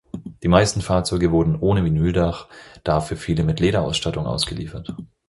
Die meisten Fahrzeuge wurden ohne Vinyldach, dafür viele mit Lederausstattung ausgeliefert.